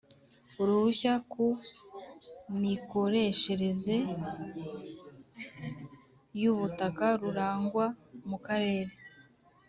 uruhushya ku mikoreshereze y ubutaka rurangwa mukarere.